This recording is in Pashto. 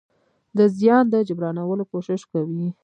د زيان د جبرانولو کوشش کوي.